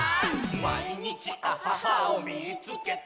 「まいにちアハハをみいつけた！」